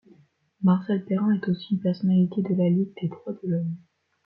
Marcel Perrin est aussi une personnalité de la Ligue des droits de l'homme.